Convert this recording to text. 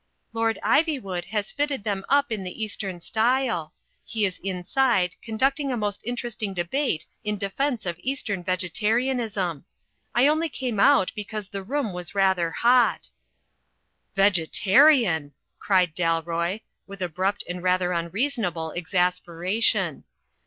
"Lord Ivywood has fitted them up in the east em style; he is inside conducting a most interesting debate in defence of Eastern Vegetarianism. I only came out because the room was rather hot." "Vegetarian !" cried Dalroy, with abrupt and rather imreasonable exasperation.